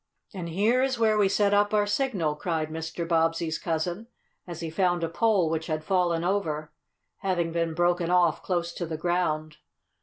"And here is where we set up our signal," cried Mr. Bobbsey's cousin, as he found a pole which had fallen over, having been broken off close to the ground.